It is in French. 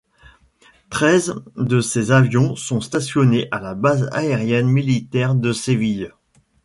Treize de ces avions sont stationnés à la base aérienne militaire de Séville.